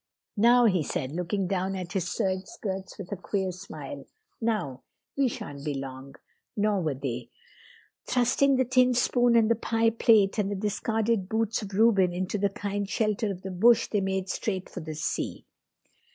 "Now," he said, looking down at his serge skirts with a queer smile, "now we shan't be long." Nor were they. Thrusting the tin spoon and the pie plate and the discarded boots of Reuben into the kind shelter of the bush they made straight for the sea.